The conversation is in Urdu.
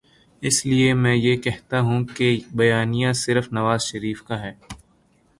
اس لیے میں یہ کہتا ہوں کہ بیانیہ صرف نوازشریف کا ہے۔